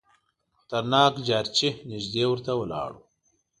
خطرناک جارچي نیژدې ورته ولاړ وو.